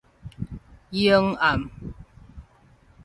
下昏暗